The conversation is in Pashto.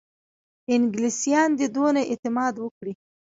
انګلیسیان دي دونه اعتماد وکړي.